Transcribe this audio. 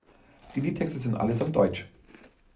Die Liedtexte sind allesamt deutsch.